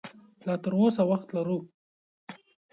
لا تراوسه وخت لرو